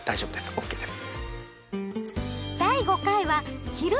ＯＫです。